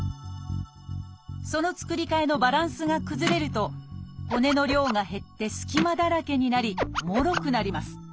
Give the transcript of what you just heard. その作り替えのバランスが崩れると骨の量が減って隙間だらけになりもろくなります。